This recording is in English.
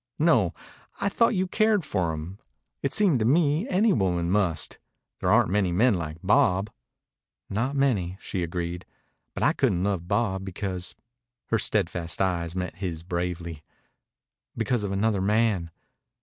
"No. I thought you cared for him. It seemed to me any woman must. There aren't many men like Bob." "Not many," she agreed. "But I couldn't love Bob because" her steadfast eyes met his bravely "because of another man.